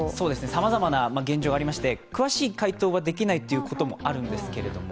さまざまな現状じありまして詳しい回答ができないということもあるんですけれども。